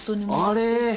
あれ！